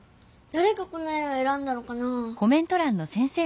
だれがこの絵をえらんだのかな？